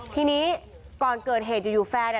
ทีนี้ก่อนเกิดเหตุอยู่แฟน